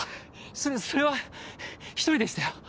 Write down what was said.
そそれは１人でしたよ。